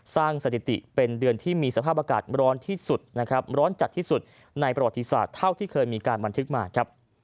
สร้างสถิติเป็นเดือนที่มีสภาพอากาศร้อนจัดที่สุดในประวัติศาสตร์เท่าที่เคยมีการบันทึกมา